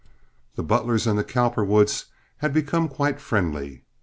The Butlers and the Cowperwoods had become quite friendly.